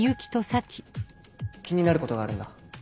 気になることがあるんだ。